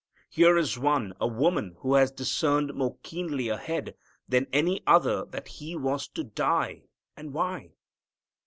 Here is one, a woman, who had discerned more keenly ahead than any other that He was to die and why.